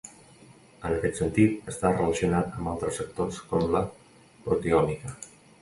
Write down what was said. En aquest sentit està relacionat amb altres sectors com la proteòmica.